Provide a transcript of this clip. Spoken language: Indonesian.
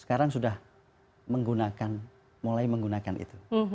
sekarang sudah menggunakan mulai menggunakan itu